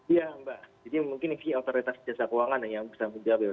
ya mbak jadi mungkin ini via otoritas jasa keuangan yang bisa menjelaskan